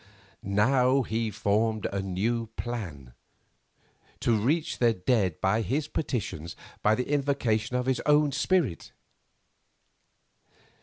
Now he formed a new plan—to reach the dead by his petitions, by the invocation of his own spirit.